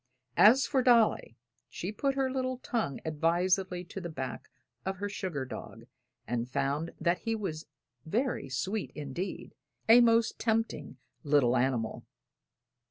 As for Dolly, she put her little tongue advisedly to the back of her sugar dog and found that he was very sweet indeed a most tempting little animal.